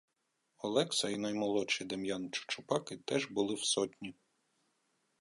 Олекса і наймолодший Дем'ян Чучупаки теж були в сотні.